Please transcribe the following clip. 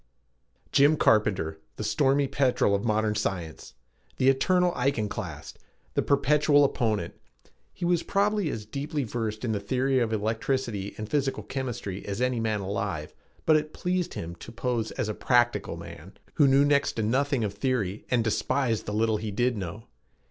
Jim Carpenter, the stormy petrel of modern science! The eternal iconoclast: the perpetual opponent! He was probably as deeply versed in the theory of electricity and physical chemistry as any man alive, but it pleased him to pose as a "practical" man who knew next to nothing of theory and who despised the little he did know.